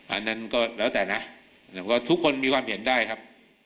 อันนั้นก็แล้วแต่นะทุกคนมีความเห็นได้ครับ